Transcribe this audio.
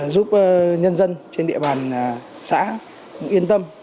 giúp nhân dân trên địa bàn xã yên tâm